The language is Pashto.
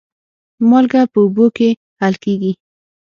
مالګه په اوبو کې حل کېږي.